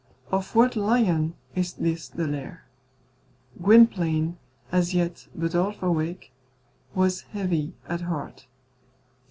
Of what lion is this the lair? Gwynplaine, as yet but half awake, was heavy at heart.